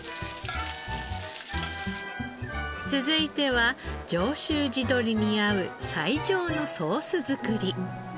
続いては上州地鶏に合う最上のソース作り。